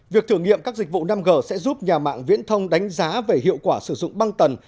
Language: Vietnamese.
việc thử nghiệm các dịch vụ năm g sẽ giúp nhà mạng viễn thông đánh giá về hiệu quả sử dụng băng tần